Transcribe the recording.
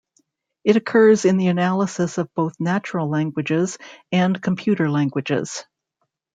It occurs in the analysis of both natural languages and computer languages.